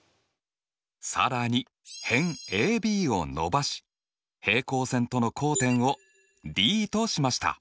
更に辺ＡＢを伸ばし平行線との交点をＤとしました。